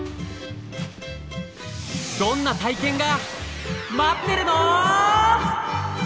どんな体験が待ってるの？